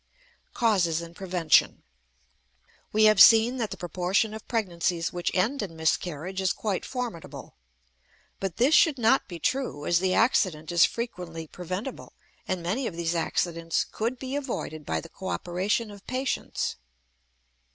CAUSES AND PREVENTION. We have seen that the proportion of pregnancies which end in miscarriage is quite formidable. But this should not be true, as the accident is frequently preventable, and many of these accidents could be avoided by the cooperation of patients.